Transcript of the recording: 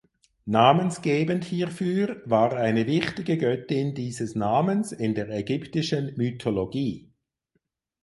Namensgebend hierfür war eine wichtige Göttin dieses Namens in der ägyptischen Mythologie.